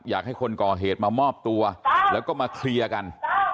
อยากให้คนก่อเหตุมามอบตัวแล้วก็มาเคลียร์กัน